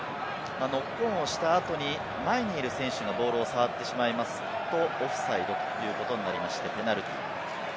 ノックオンをした後に前にいる選手がボールを触ってしまいますとオフサイドということになりましてペナルティー。